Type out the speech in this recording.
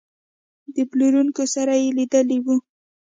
د پلورونکو سره یې لیدلي وو.